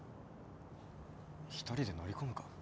一人で乗り込むか？